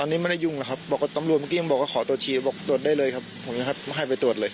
น่าสิ